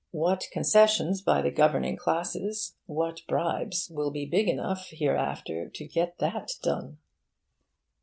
What concessions by the governing classes, what bribes, will be big enough hereafter to get that done?